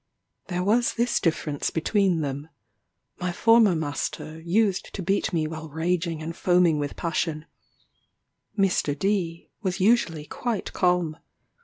There was this difference between them: my former master used to beat me while raging and foaming with passion; Mr. D was usually quite calm.